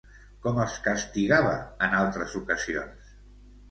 Com els castigava en altres ocasions?